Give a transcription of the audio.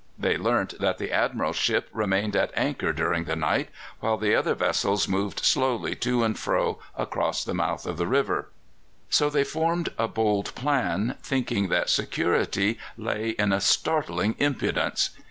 They learnt that the Admiral's ship remained at anchor during the night, while the other vessels moved slowly to and fro across the mouth of the river; so they formed a bold plan, thinking that security lay in a startling impudence.